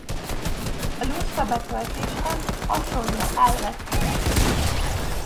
A lusta betöltéshez hasonló elvet követ.